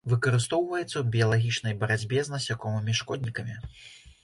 Выкарыстоўваецца ў біялагічнай барацьбе з насякомымі-шкоднікамі.